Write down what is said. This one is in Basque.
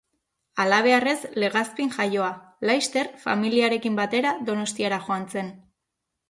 Halabeharrez Legazpin jaioa, laster familiarekin batera Donostiara joan zen.